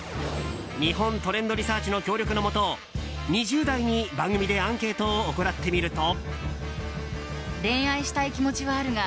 日本トレンドリサーチの協力のもと２０代に番組でアンケートを行ってみると。